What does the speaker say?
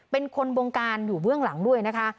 เป็นคนบงการอยู่เบื้องหลังด้วยนะคะ